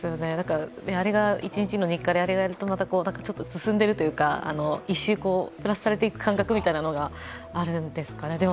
あれが一日の日課で、あれをやるとちょっと進んでいるというか１周プラスされていくという感覚があるんですかね。